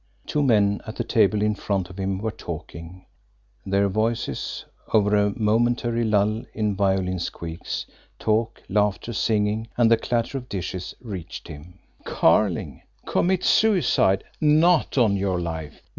Two men at the table in front of him were talking their voices, over a momentary lull in violin squeaks, talk, laughter, singing, and the clatter of dishes, reached him: "Carling commit suicide! Not on your life!